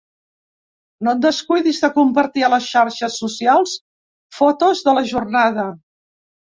No et descuidis de compartir a les xarxes socials fotos de la jornada.